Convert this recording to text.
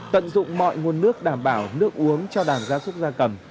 tận dụng mọi nguồn nước đảm bảo nước uống cho đàn da súc da cầm